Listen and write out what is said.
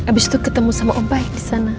abis itu ketemu sama om bayi di sana